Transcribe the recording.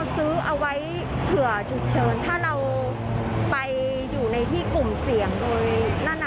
ซื้อเอาไว้เผื่อฉุกเฉินถ้าเราไปอยู่ในที่กลุ่มเสี่ยงโดยนั่นน่ะ